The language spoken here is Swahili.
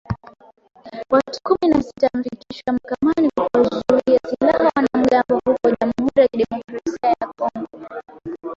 Watu kumi na sita wamefikishwa mahakamani kwa kuwauzia silaha wanamgambo huko Jamhuri ya Kidemokrasia ya Kongo